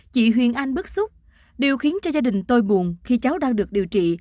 chị huyền anh bức xúc điều khiến cho gia đình tôi buồn khi cháu đang được điều trị